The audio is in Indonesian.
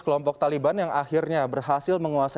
kelompok taliban yang akhirnya berhenti berada di afghanistan